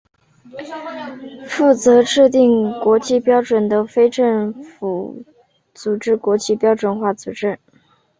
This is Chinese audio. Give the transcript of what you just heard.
负责制定国际标准的非政府组织国际标准化组织。